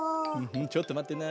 ちょっとまってな。